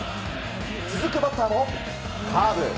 続くバッターもカーブ。